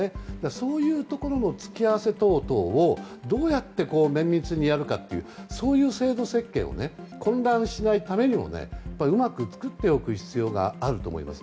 そういうところの突き合わせ等々をどうやって綿密にやるかっていうそういう制度設計を混乱しないためにもうまく作っておく必要があると思います。